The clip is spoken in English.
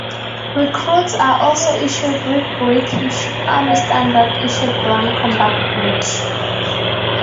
Recruits are also issued with British Army Standard Issued Brown Combat Boots.